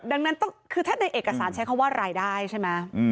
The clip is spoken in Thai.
ดังนั้นคือถ้าในเอกสารใช้คำว่ารายได้ใช่ไหม